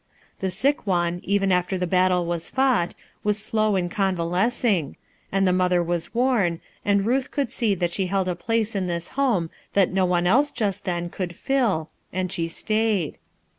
The sick one, even after the battle was fought, was slow in convalescing, and the mother was worn, anil Ruth could sec that she held a place in this home that no one else just then could fill, and she stayed.